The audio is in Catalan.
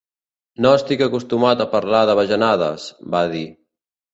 "No estic acostumat a parlar de bajanades", va dir.